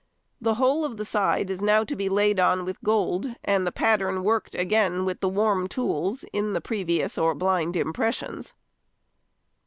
The whole of the side is now to be laid on with gold, and the pattern worked again with the warm tools, in the previous or blind impressions.